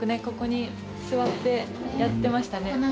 ここに座ってやってましたね